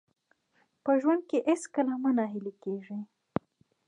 په ژوند کې هېڅکله مه ناهیلي کېږئ.